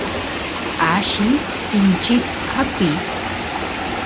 alli sinchit apiy